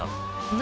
何？